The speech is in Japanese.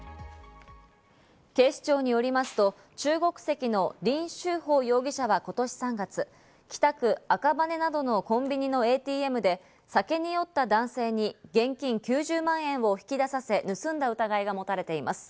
警視庁によりますと中国籍のリン・シュウホウ容疑者は今年３月、北区赤羽などのコンビニのＡＴＭで酒に酔った男性に現金９０万円を引き出させ、盗んだ疑いが持たれています。